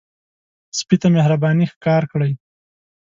سپي ته مهرباني ښکار کړئ.